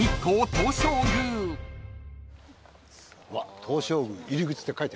「東照宮入口」って書いてある。